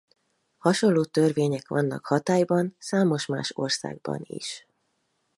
Hasonló törvények vannak hatályban számos más országban is.